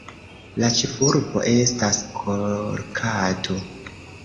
La ĉefurbo estas Kolkato.